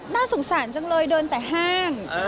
น่าสงสารจังเลยเดินแต่ห้าง